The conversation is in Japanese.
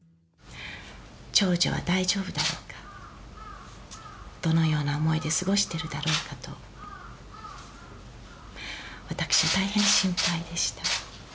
長女は大丈夫だろうか、どのような思いで過ごしてるだろうかと、私は大変心配でした。